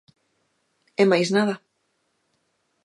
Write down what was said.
E máis nada.